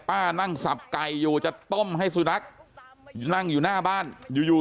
นั่งสับไก่อยู่จะต้มให้สุนัขนั่งอยู่หน้าบ้านอยู่อยู่